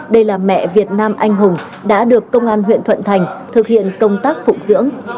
đây là mẹ việt nam anh hùng đã được công an huyện thuận thành thực hiện công tác phụng dưỡng